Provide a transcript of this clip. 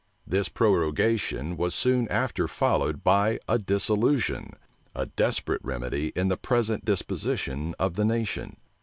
This prorogation was soon after followed by a dissolution; a desperate remedy in the present disposition of the nation.